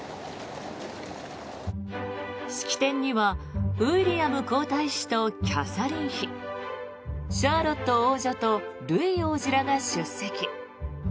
式典にはウィリアム皇太子とキャサリン妃シャーロット王女とルイ王子らが出席。